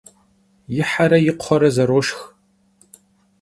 Yi here yi kxhuere zeroşşx.